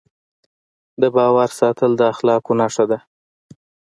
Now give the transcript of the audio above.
د باور ساتل د اخلاقو نښه ده.